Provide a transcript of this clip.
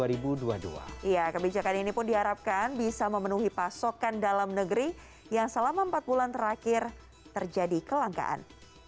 iya kebijakan ini pun diharapkan bisa memenuhi pasokan dalam negeri yang selama empat bulan terakhir terjadi kelangkaan